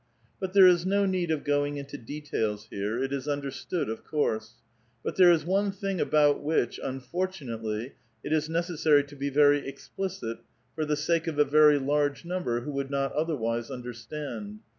But there is no need of going into details here ; it is anderstood, of coui*se. But there is one thing alK>ut which, unfortunately, it is necessary to be very exi licit for the sake of a very lai^e number who would not otherwise understand.